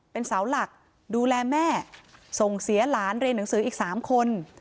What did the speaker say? เป็นเสาหลักดูแลแม่ส่งเสียหลานเรียนหนังสืออีก๓คน